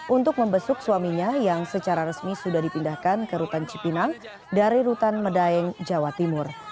untuk membesuk suaminya yang secara resmi sudah dipindahkan ke rutan cipinang dari rutan medaeng jawa timur